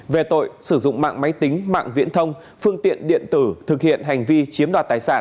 về tội sử dụng mạng máy tính mạng viễn thông phương tiện điện tử thực hiện hành vi chiếm đoạt tài sản